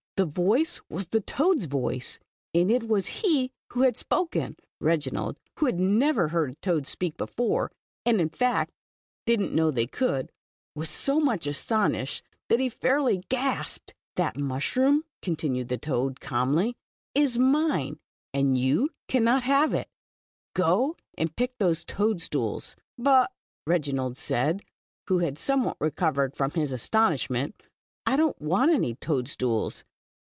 the voice was the toad's voice, and it was he who had spoken ! Reginald, who had never heard a toad speak before, and in fact did n't know that they could, ^\ as so much astonished that he fairly gasped. ••That mushroom. " continued the toad, calmly, •is mine, and you cannot have iL Go and pick those toad stools. "• But" said Reginald, who had somewhat recovered from his astonishment, I don t want any toad stools."